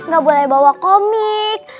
gak boleh bawa komik